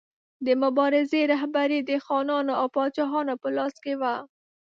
د مبارزې رهبري د خانانو او پاچاهانو په لاس کې وه.